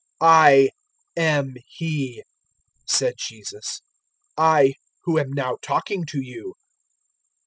004:026 "I am He," said Jesus "I who am now talking to you."